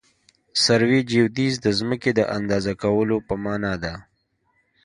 سروي جیودیزي د ځمکې د اندازه کولو په مانا ده